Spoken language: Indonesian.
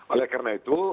oleh karena itu